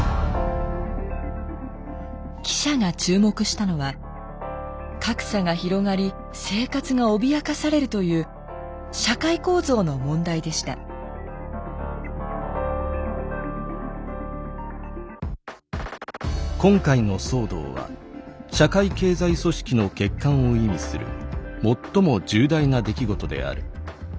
記者が注目したのは格差が広がり生活が脅かされるという「今回の騒動は社会経済組織の欠陥を意味する最も重大な出来事である。